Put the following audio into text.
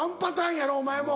やろお前も。